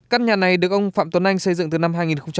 căn nhà này được ông phạm tuấn anh xây dựng từ năm hai nghìn một mươi